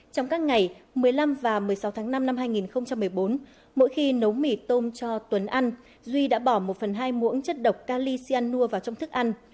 trong các ngày một mươi năm và một mươi sáu tháng năm năm hai nghìn một mươi bốn mỗi khi nấu mì tôm cho tuấn ăn duy đã bỏ một phần hai muỗng chất độc cali cyanur vào trong thức ăn